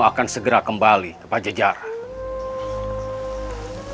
akan segera kembali ke pajejara